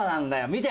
見て。